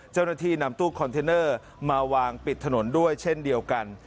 เจ้าหน้าที่นำตู้คอนเทนเนอร์มาวางปิดถนนด้วยเช่นเดียวกัน